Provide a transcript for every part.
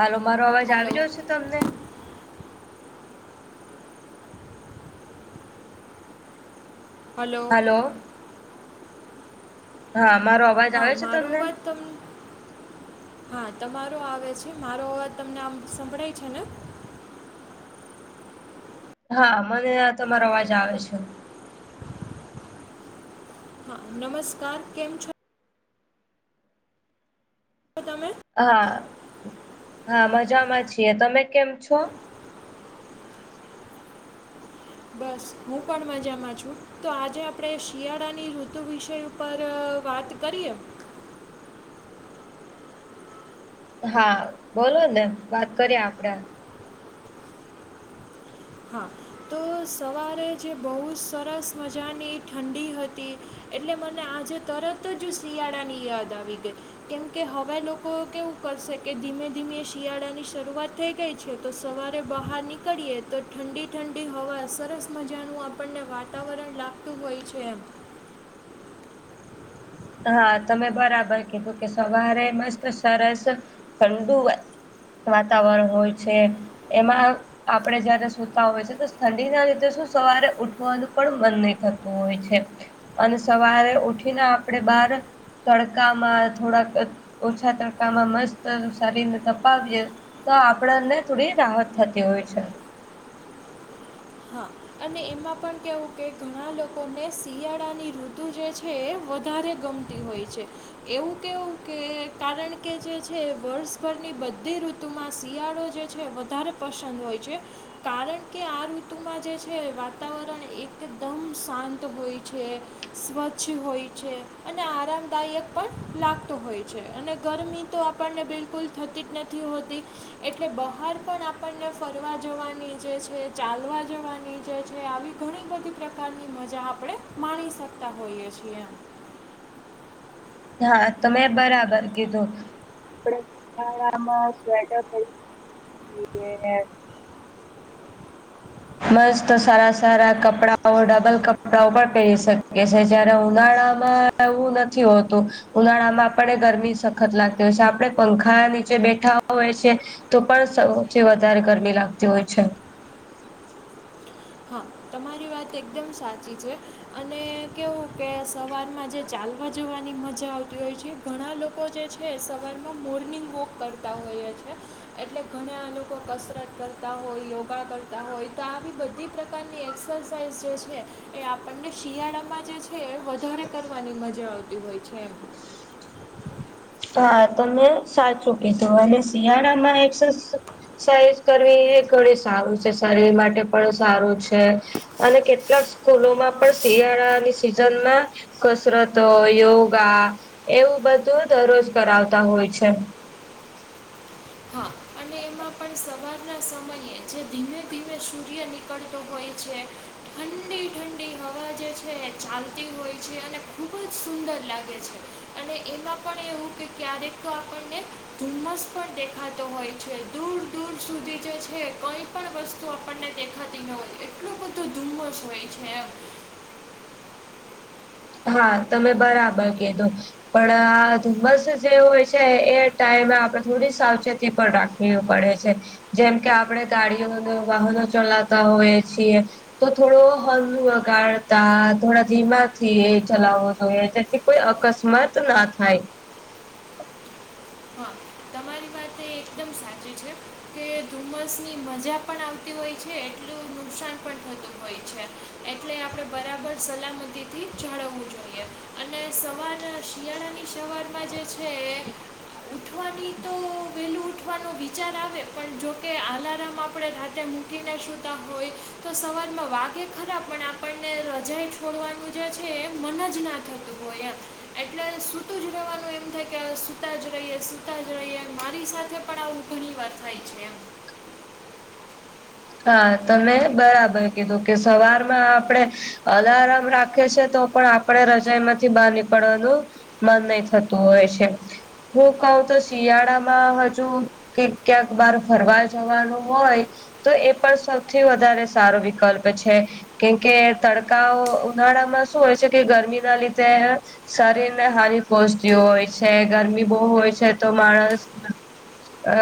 હાલો, મારો અવાજ હલો આવી રહ્યો છે તમને? હલો. હા, મારો. અવાજ હા, આવે છે મારો તમને અવાજ તમ હા, તમારો આવે છે. મારો અવાજ તમને આમ સંભળાય છે ને? હા, મને તમારો અવાજ આવે છે. નમસ્કાર! કેમ છો? તો તમે હા હા, મજામાં છીએ. તમે કેમ છો? બસ, હું પણ મજામાં છું. તો આજે આપણેે શિયાળાની ઋતુ વિષય ઉપર વાત કરીએ. હા બોલો ને વાત કરીએ આપડે હા તો સવારે જે બહુ જ સરસ મજાની ઠંડી હતી એટલે મને આજે તરત જ શિયાળાની યાદ આવી ગઈ. કેમ કે, હવા લોકો કેવું કરશે કે, ધીમે ધીમે શિયાળા ની શરૂઆત થઈ ગઈ છે. તો સવારે બહાર નીકળીએ તો ઠંડી ઠંડી હવા, સરસ મજાનું આપણને વાતાવરણ લાગતું હોય છે એમ. હા, તમે બરાબર કીધું કે, સવારે મસ્ત સરસ ઠંડુ. વાતાવરણ હોય છે એમાં આપણે જયારે સુતા હોય છે તો ઠંડીના લીધે શું સવારે ઉઠવાનું પણ મન નહી થતું હોય છે અને સવારે ઉઠીને આપણેે બાર તડકામાં થોડાક ઓછા તડકામાં મસ્ત શરીરને તપાવીએ તો આપણને થોડી રાહત થતી હોય છે હા અને એમાં પણ કહેવું કે ઘણા લોકોને શિયાળાની ઋતુ જે છે એ વધારે ગમતી હોય છે એવું કેવું કે કારણ કે જે છે વર્ષભરની બધી ઋતુમાં શિયાળો જે છે વધારે પસંદ હોય છે કારણ કે આઋતુ તુમાં જે છે વાતાવરણ એકદમ શાંત હોય છે સ્વચ્છ હોય છે અને આરામદાયક પણ લાગતો હોય છે અને ગરમી તો આપણને બિલકુલ થતી જ નથી હોતી એટલે બહાર પણ આપણને ફરવા જવાની જે છે ચાલવા વાની જે છે આવી ઘણી બધી પ્રકારની મજા આપણે માણી શકતા હોઈએ છીએ હા તો મેં બરાબર કીધું આપણે શિયાળામાં સ્વેટર પરી શકીએ છીએ મસ્ તો સારા સારા કપડાઓ ડબલ કપડાઓ પણ પહેરી શકે છે જયારે ઉનાળામાં એવું નથી હોતું ઉનાળા માં આપણને ગરમી સખત લાગતી હોય છે આપણે પંખા નીચે બેઠા હોય છે તો પણ સૌથી વધારે ગરમી લાગતી હોય છે હા તમારી વાત એકદમ સાચી છે અને કેવું કે સવારમાં જે ચાલવા જવાની મજા આવતી હોય છે ઘણા લોકો જે છે સવારમાં મોર્નિંગ વોક કરતા હોઈએ છે એટલે ઘણા લોકો કસરત કરતા હોય યોગા કરતા હોય તો આવી બધી પ્રકારની એક્સરસાઇઝ જે છે એ આપણને શિયાળામાં જે છે એ વધારે કરવાની મજા આવતી હોય છે એમ હા તમે સાચું કીધું અને શિયાળામાં એક સાઇઝ કરવી એ ઘણી સારું છે શરીર માટે પણ સારું છે અને કેટલાક સ્કૂલોમાં પણ શિયાળાની સિઝનમાં કસરતો યોગા એવું બધું દરરોજ કરાવતા હોય છે હા અને એમાં પણ સવારના સમયે જે ધીમે ધીમે સૂર્ય નીકળતું હોય છે ઠંડી ઠંડી હવા જે છે એ ચાલતી હોય છે અને ખુબ જ સુંદર લાગે છે અને એમાં પણ એવું કે ક્યારેક તો આપણને ધુમ્મસ પણ દેખાતો હોય છે દૂર દૂર સુધી જે છે કઈ પણ વસ્તુ આપણને દેખાતી ન હોય એટલોું બધો ધુમ્મસ હોય છે હા તમે બરાબર કધો પણ આ ધુમ્મસ જે હોય છે એ ટાઈમે આપડે થોડી સાવચેતી પણ રાખ વું પડે છે જેમ કે આપણે ગાડીઓ વાહનો ચલાતા હોયએ છીએ તો થોડો હ વગાડતા થોડા ધીમા થી એ ચલાવવો જોઈએ તેથી કોઈ અકસ્માત ના થાય મ સાચ કે ધુમસ ની મજા પણ આવતી હોય છે એટલું નુકસાન પણ થતું હોય છે એટલે આપણે બરાબર સલામતી થી જાળવવું જોઈએ અને સવાર શિયાળા ની સવારમાં જે છે ઉઠવાની તો વેલું ઉઠવાની વિચાર આવે પણ જોકે આલારમ આપણે રાતે મૂકીને સુતા હોય તો સવારમાં વાઘે ખરા પણ આપણને રજાાઈ છોડવાનું જે છે એ મન જ ના થતું હોય એટલે સ સુતું જ રહેવાનું એમ થાય કે સુતા જ રહીએ સુતા જ રહીએ મારી સાથે પણ આું ઘણી વાર થાય છે હા તમે બરાબર કીધું કે સવારમાં આપણેે અલારમ રાખે છે તો પણ આપણે રજા માંથી બહાર નીકળવાનું મન નહી થતું હોય છે હું કઉ તો શિયાળામાં હજુ ક ક્યાંક બર ફરવા જવાનું હોય તો એ પણ સૌથી વધારે સારો વિકલ્પ છે કેમકે તડકાઓ ઉનાળામાં શું હોય છે કે ગરમી ના લીધે શરીર ને હાનિ પોહચતી હોય છે ગરમી બહુ હોય છે તો માણસ અ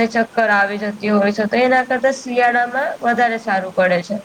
ને ચક્કર આવી જતી હોય છે તો એના કદા શિયાળામાં વધારે સારું પડે છે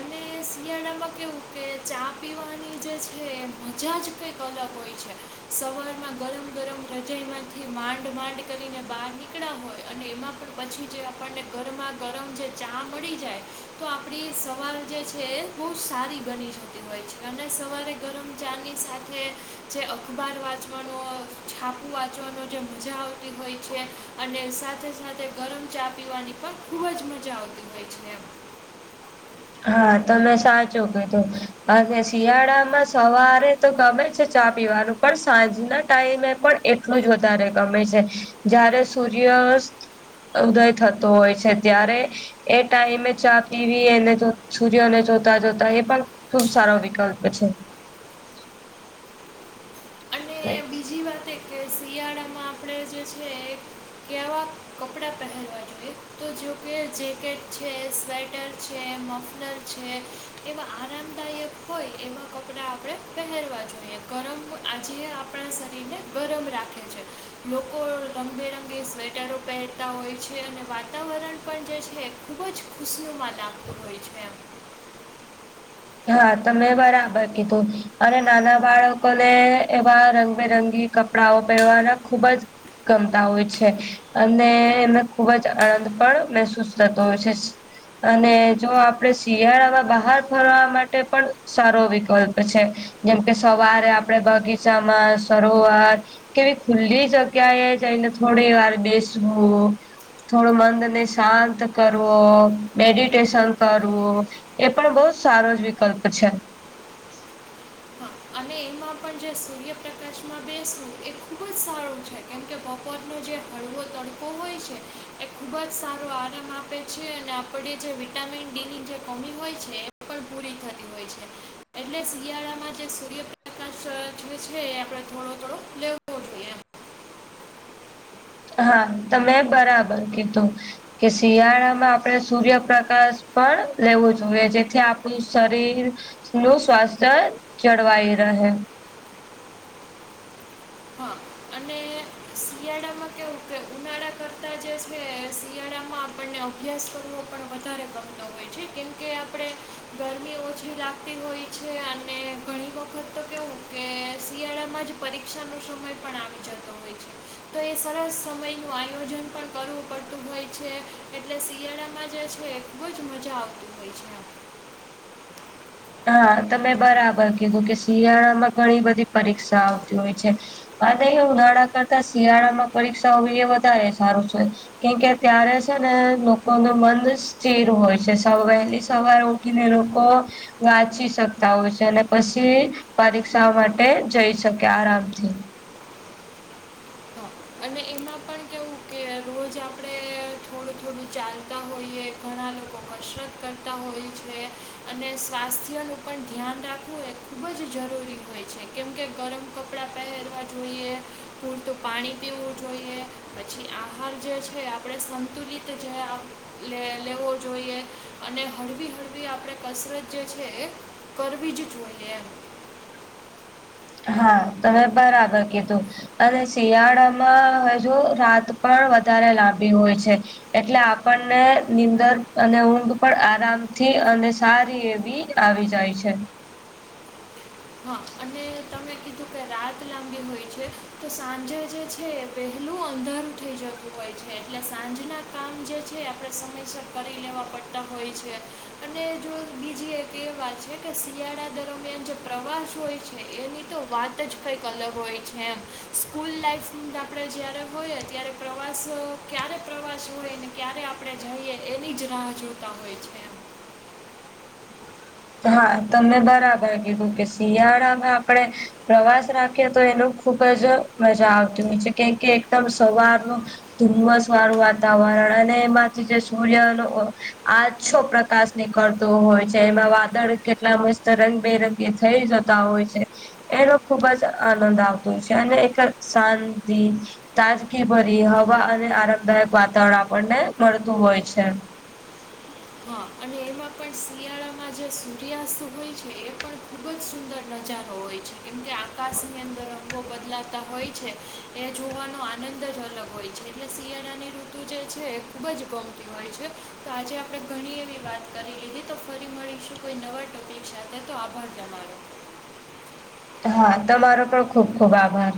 અને શિયાળામાં કેવું કે ચા પીવાની જે છે એ મજા જ કંઈક અલગ હોય છે સવાર માં ગરમ ગરમ રજાઈમાંથી માંડ માંડ કરીને બહાર નીકળ્યા હોય અને એમાં પણ પછી જે આપણને ગરમાં ગરમ જે ચા મળી જાય તો આપણી સ સવાર જે છે એ બહુ સારી બની જતી હોય છે અને સવારે ગરમ ચાની સાથે જે અખબાર વાંચવાનો છાપુ વાંચવાનો જે મજા આવતી હોય છે અને સાથે સાથે ગરમ ચા પીવાની પણ ખૂબ જ મજા આવતી હોય છે હા તો મેં સાચો કધું અને શિયાળામાં સવારે તો ગમે છે ચા પીવાનું પણ સાંજના ટાઈમે પણ ું જ વધારે ગમે છે જયારે સૂર્યસ્ત ઉદય થતો હોય છે જય્યારે એ ટાઈમે ચા પીવી એને સૂર્યને જોતા જોતા એ પણ ખુબ સારો વિકલ્પ છે અને બીજી વાત કે શિયાળામાં આપણે જે છે કેવા કપડાં પહેરવા જોઈએ તો જોકે જેકેટ છે સ્વેટર છે મ ર છે એવા આરામદાયક હોય એવા કપડા આપણે પહેરવા જોઈએ ગરમ આજ ના શરીરને ગરમ રાખે છે લોકો રંગબેરંગે સ્વેટરો પહેરતા હોય છે અને વાતાવરણ પણ જે છે ખૂબ જ ખુશનોુમદપ્ત હોય છે હા ત મેં બરાબર કીધું અને નાના બાળકોને એવા રંગબેરંગી કપડાઓ પહેરવાના ખુબ જ ગમતા હોય છે અને એને ખુબ જ આનંદ પણ મહેસૂસ થતો હોય છે અને જો આપડે શિયાળામાં બહાર કરવાર માટે પણ સારો વિકલ્પ છે જેમ કે સવારે આપડે બગીચામાં સરોવર કેવી ખુલ્લી જગ્યાએ જઈને થોડી વાર બેસવું થોડું મંદ ને શાંત કરવો મેડિટેશન કરવું એ પણ બહુ જ સારો જ વિકલ્પ છે હા અને એમાં પણ જે સૂર્યપ્રકાશમાં બેસવું એ ખૂબ જ સારું છે કારણ કે બપોરનો જે હળવો તડકો હોય છે એ ખુબ જ સારો આરામ આપે છે અને આપડ જે વિટામિન ડી ની જે કમી હોય છે પણ પૂરી થતી હોય છે એટલે શિયાળામાં સૂર્ય છે એ આપડે થોડો થોડો લેવ હા ત મેં બરાબર કીધું કે શિયાળામાં આપણે સૂર્યપ્રકાશ પણ લેવો જોઈએ જેથી આપણું શરીર નું સ્વાસ્થ્ય જળવાઈ રહે હા અને શિયાળામાં કે ઉનાળા કરતાં જે છે શિયાળામાં આપણને અભ્યાસ કરવો પણ વધારે કરમતો હોય છે કેમકે આપણે ગરમી ઓછી લાગતી હોય છે અને ઘણી વખત તો કેવું કે શિયાળામાં જ પરીક્ષા નો સમય પણ આવી જતો હોય છે તો એ સરસ સમયનું આયોજન પણ કરવું પડતું હોય છે એટલે શિયાળામાં જે છે બવજ મજા હો છે. હા તમે બરાબર કીધું કે શિયાળામાં ઘણી બધી પરીક્ષા આવતી હોય છે. હા નહી ઉનાળા કરતા શિયાળા માં પરીક્ષા હોવી એ વધારે સારું છે. કેમકે ત્યારે છે ને લોકોનું મન સ્થિર હોય છે વહેલી સવારે કિનેરોકો વાંચી શકતા હોય છે અને પછી પરીક્ષા માટે જઈ શકે આરામથી. હા અને એમાં પણ કેવું કે રોજ આપણે થોડું થોડું ચાલતા હોઈએ ઘણા લોકો કસરત કરતા હોય છે. અને સ્વાસ્થ્યનું પણ ધ્યાન રાખવું એ ખૂબ જ જરૂરી હોય છે. કેમકે ગરમ કપડા પહેરવા જોઈએ. પૂલતું પાણી પીવું જોઈએ પછી આ હાર જે છે આપણે સંતુલિત જે લ લેવો જોઈએ અને હળવી હળવી આપણે કસરત જે છે એ કરવીજ જોયે એમ. હા તમે બરાબર કીધું. અને શિયાળામાં હજુ રાત પણ વધારે લાંબી હોય છે. એટલે આપણને નીંદર અને ઊંઘ પણ આરામથી અને સારી એવી આવી જાય છે. હા અને તમે કીધું કે રાત લાંબી હોય છે, તો સાંજે જે છે એ પહેલું અંધારું થઈ જતું. હોય છે, એટલે સાંજના કામ જે છે આપણે સમયસર કરી લેવા પડતા હોય છે. અને જો બીજી એક એ વાત છે, કે શિયાળા દરમિયાન પ્રવાસ હોય છે એની તો વાત જ કંઈક અલગ હોય છે, એમ સ્કૂલ લાઈફ આપડે જયારે હોઈય એ ત્યારે પ્રવાસ ક્યારે પ્રવાસ હોયને ક્યારે આપણે જઈએ એની જ રાહ જોતા હોય છે. એમ હા, તમે બરાબર કીધું કે શિયાળામાં આપડે પ્રવાસ રાખેએ તો એનું ખુબ જ મજા આવતી હોય છે કેમ કે એકદમ સવારનો ધુમ્મસ વાળું વાતાવરણ અને એમાંથી જે સૂર્યનો ઓ આંછો પ્ર કાશ નીકળતું હોય છે. એમાં વાદળ કેટલા મસ્ત રંગબેરંગી થઇ જતા હોય છે. એનો ખુબ જ આનંદ આવતો છે અને એક શાંતિ તાજગી ભરી હવા અને આરામદાયક વાતાવરણ આપણને મળતું હોય છે. હા અને માં પણ શિયાળામાં જે સૂર્યાસ્ત હોય છે, એ પણ ખૂબ જ સુંદર નજારો હોય છે. કેમકે આકાશની અંદર રંગો બદલાતા હોય છે. એ જોવાનો આનંદ જ અલગ હોય છે એટલે શિયાળાની ઋતુ જે છે એ ખૂબ જ ગમતી હોય છે. તો આજે આપડે ઘણી એવી વાત કરી લીધી તો ફરી મળીશુ કોઈ નવા ટોપીક સાથે તો આકાર તમારો. હા તમારો પણ ખુબ ખુબ આભાર.